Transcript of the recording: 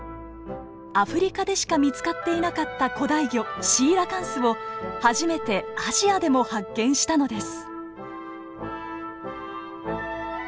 アフリカでしか見つかっていなかった古代魚シーラカンスを初めてアジアでも発見したのです。